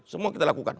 semua kita lakukan